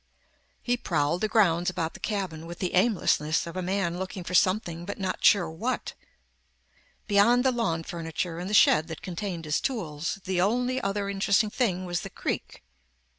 He prowled the grounds about the cabin with the aimlessness of a man looking for something but not sure what. Beyond the lawn furniture and the shed that contained his tools, the only other interesting thing was the creek.